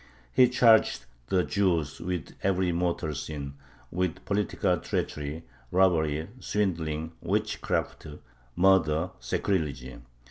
He charged the Jews with every mortal sin with political treachery, robbery, swindling, witchcraft, murder, sacrilege.